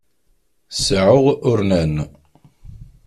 Seεεuɣ urnan.